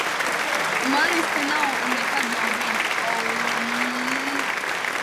Manis te nav. Un nekad nav bijis. Oummm...